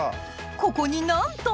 ここになんと！